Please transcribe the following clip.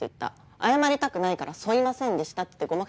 謝りたくないから「そいませんでした」って言ってごま○△□×☆